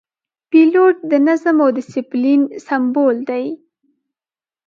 پیلوټ د نظم او دسپلین سمبول دی.